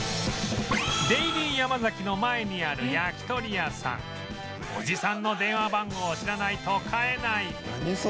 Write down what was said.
「デイリーヤマザキの前にある焼き鳥屋さんおじさんの電話番号を知らないと買えない」